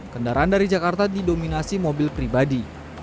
kendaraan dari jakarta didominasi mobil pribadi